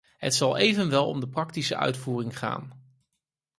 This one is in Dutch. Het zal evenwel om de praktische uitvoering gaan.